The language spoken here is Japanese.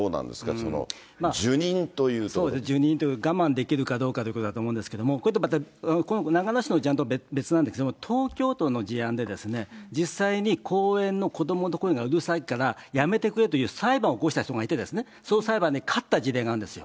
その受忍というとそうですね、受忍というか、我慢できるかどうかということだと思うんですけど、これってやっぱり、長野市の事案と別なんだけど、東京都の事案で、実際に公園の子どもの声がうるさいからやめてくれという裁判を起こした人がいて、その裁判で勝った事例があるんですよ。